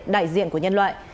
đại diện của nhân loại